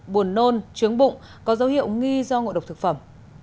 buồn nôn trướng bụng có dấu hiệu nghi do ngộ độc thực phẩm